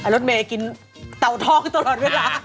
รถเมย์กินเตาทองตลอดเวลา